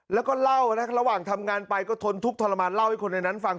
แล้วก็เล่านะระหว่างทำงานไปก็ทนทุกข์ทรมานเล่าให้คนในนั้นฟัง